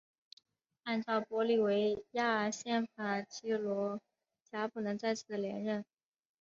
按照玻利维亚宪法基罗加不能再次连任。